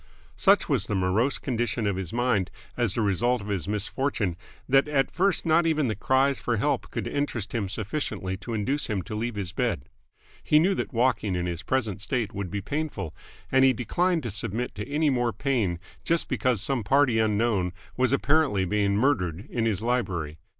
Such was the morose condition of his mind as the result of his misfortune that at first not even the cries for help could interest him sufficiently to induce him to leave his bed. He knew that walking in his present state would be painful, and he declined to submit to any more pain just because some party unknown was apparently being murdered in his library.